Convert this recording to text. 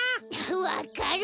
わかる！